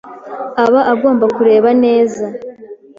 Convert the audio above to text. aba agomba kureba neza